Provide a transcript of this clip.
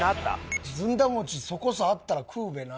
「ずんだ餅そこさあっだら食うべな！」